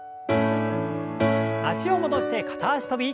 脚を戻して片脚跳び。